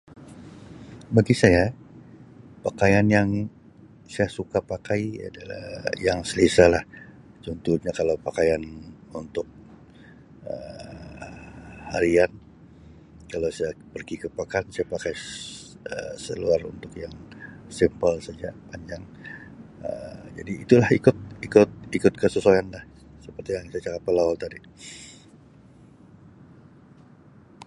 Bagi saya pakaian yang saya suka pakai adalah yang selesa lah. Contohnya kalau pakaian untuk Um harian, kalau saya pergi ke pekan saya pakai s-[Um]seluar untuk yang 'simple' saja, panjang Um jadi itulah ikut-ikut-ikut kesesuaian lah seperti yang saya cakap awal-awal tadi.